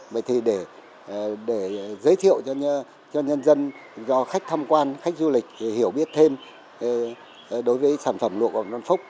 vậy thì để giới thiệu cho nhân dân do khách thăm quan khách du lịch hiểu biết thêm đối với sản phẩm lụa của vạn phúc